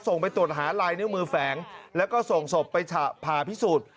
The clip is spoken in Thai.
ไปตรวจหาลายนิ้วมือแฝงแล้วก็ส่งศพไปฉะผ่าพิสูจน์